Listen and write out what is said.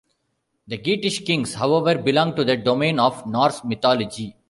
The Geatish kings, however, belong to the domain of Norse mythology.